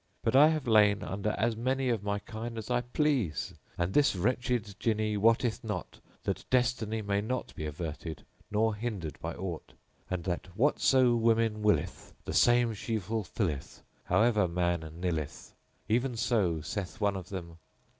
But I have lain under as many of my kind as I please, and this wretched Jinni wotteth not that Des tiny may not be averted nor hindered by aught, and that whatso woman willeth the same she fulfilleth however man nilleth. Even so saith one of them.